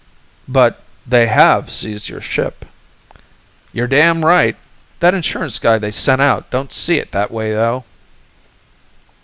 "But they have seized your ship?" "You're damn' right! That insurance guy they sent out don't see it that way though."